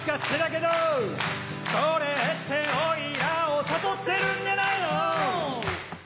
それってオイラを誘ってるんじゃないの